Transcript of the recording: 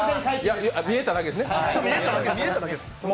見えただけですね。